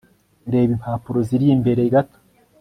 reba impapuro ziri imbere gato